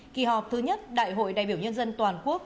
kỳ họp thứ nhất đại hội đại biểu nhân dân toàn quốc